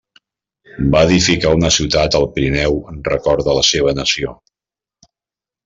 Va edificar una ciutat al Pirineu en record de la seva nació: